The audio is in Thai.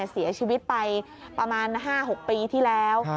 เสียชีวิตไปประมาณ๕๖ปีที่แล้ว